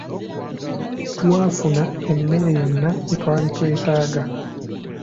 Twafuna emmere yonna gye twali twetaaga.